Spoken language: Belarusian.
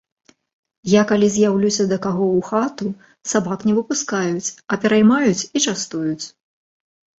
Я калі з'яўлюся да каго ў хату, сабак не выпускаюць, а пераймаюць і частуюць.